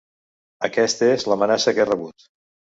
Aquest és l’amenaça que he rebut.